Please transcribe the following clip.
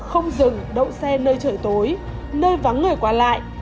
không dừng đậu xe nơi trời tối nơi vắng người qua lại